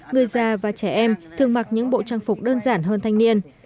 người già và trẻ em thường mặc những bộ trang phục đơn giản hơn thanh niên